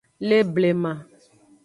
Le blema.